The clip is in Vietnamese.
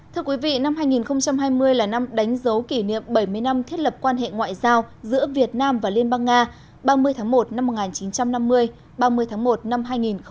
thưa quý vị năm hai nghìn hai mươi là năm đánh dấu kỷ niệm bảy mươi năm thiết lập quan hệ ngoại giao giữa việt nam và liên bang nga ba mươi tháng một năm một nghìn chín trăm năm mươi ba mươi tháng một năm hai nghìn hai mươi